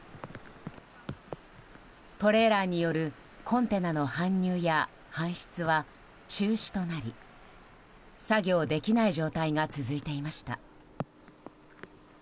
トレーラーによるコンテナの搬入や搬出は中止となり、作業できない状態が続いていました。